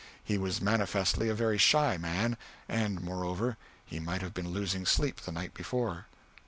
He was manifestly a very shy man, and, moreover, he might have been losing sleep the night before.